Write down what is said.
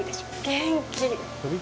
元気！